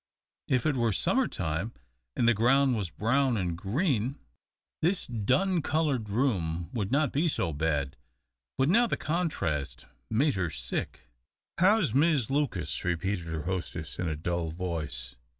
If it were summer time, and the ground were brown and green, this dun coloured room would not be so bad, but now the contrast made her sick. "How's Mis' Lucas?" repeated her hostess, in a dull voice.